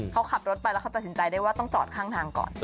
เขาขับรถไปแล้วเขาตัดสินใจได้ว่าต้องจอดข้างทางก่อน